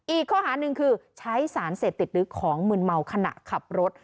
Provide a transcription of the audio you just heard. อีกข้อหาหนึ่งคือใช้สารเสพติดหรือของมืนเมาขณะขับรถ